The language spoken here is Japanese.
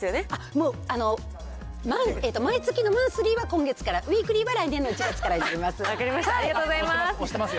もう毎月のマンスリーは今月から、ウィークリーは来年の１月からあります。